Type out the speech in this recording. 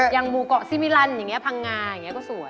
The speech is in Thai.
หมู่เกาะซิมิลันอย่างนี้พังงาอย่างนี้ก็สวย